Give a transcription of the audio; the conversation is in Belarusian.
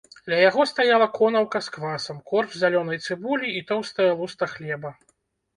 Ля яго стаяла конаўка з квасам, корч зялёнай цыбулі і тоўстая луста хлеба.